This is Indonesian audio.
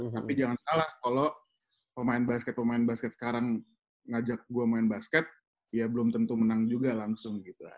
tapi jangan salah kalau pemain basket pemain basket sekarang ngajak gue main basket ya belum tentu menang juga langsung gitu